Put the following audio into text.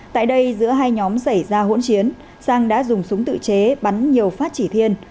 tại đây giữa hai nhóm xảy ra hỗn chiến sang đã dùng súng tự chế bắn nhiều phát chỉ thiên